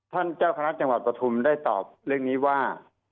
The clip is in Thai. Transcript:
ท่านเจ้าคณะจังหวัดปฐุมได้ตอบเรื่องนี้ว่า